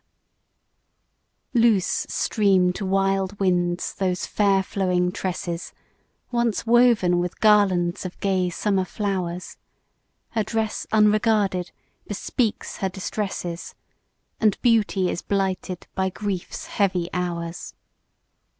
Page 57 Loose stream to wild winds those fair flowing tresses, Once woven with garlands of gay summer flowers; Her dress unregarded, bespeaks her distresses, And beauty is blighted by grief's heavy hours.